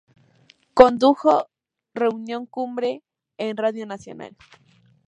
Condujo "Reunión Cumbre" en Radio Nacional.